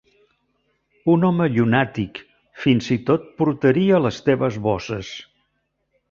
Un home llunàtic, fins i tot portaria les teves bosses.